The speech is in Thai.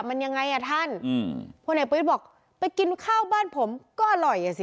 มันยังไงอ่ะท่านอืมพลเอกประวิทย์บอกไปกินข้าวบ้านผมก็อร่อยอ่ะสิ